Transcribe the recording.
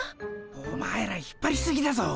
お前ら引っぱりすぎだぞ。